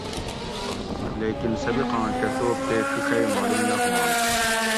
لیکن سبقاں کہ ٹوپ تے ڛِیڛئی معلوم نہ ہوانت